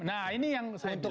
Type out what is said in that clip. nah ini yang saya bilang tadi